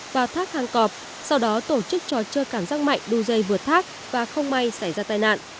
và thác hàng cọp sau đó tổ chức trò chơi cảm giác mạnh đu dây vượt thác và không may xảy ra tai nạn